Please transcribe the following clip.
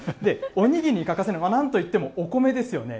おにぎりに欠かせないのは、なんといってもお米ですよね。